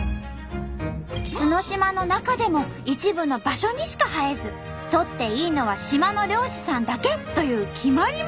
角島の中でも一部の場所にしか生えず採っていいのは島の漁師さんだけという決まりまであるんと！